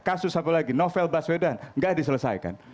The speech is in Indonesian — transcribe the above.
kasus apa lagi novel baswedan tidak diselesaikan